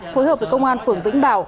phối hợp với công an phường vĩnh bảo